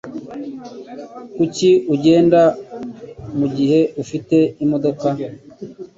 Kuki ugenda mugihe ufite imodoka?